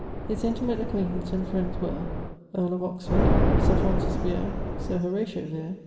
_> His intimate acquaintance and friends were: ..., earle of Oxford. Sir Francis Vere. Sir Horatio Vere.